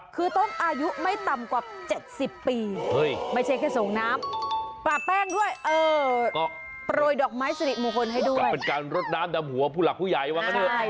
คือต้นอายุไม่ต่ำกว่า๗๐ปี